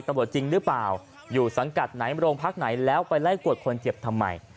ตำรวจจริงหรือเปล่าอยู่สังกัดไหนโรงพักไหนแล้วไปไล่กวดคนเจ็บทำไม